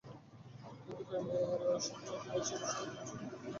কিন্তু প্রেমের সঞ্চার হলে ঈশ্বর শুধু প্রেমস্বরূপ হয়ে যান।